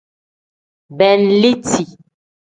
Beeliti.